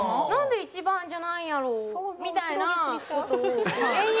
「なんで一番じゃないんやろ？」みたいな。